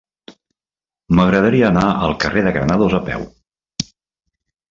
M'agradaria anar al carrer de Granados a peu.